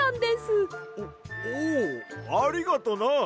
おおうありがとな！